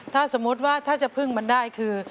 ถ้าสมมุติว่าถ้าจะพึ่งมันได้คือ